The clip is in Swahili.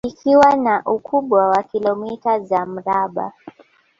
Likiwa na ukubwa wa kilomita za mraba